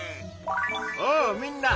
おおみんな！